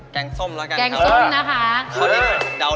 แกงส้มแล้วกันครับแกงส้มนะคะ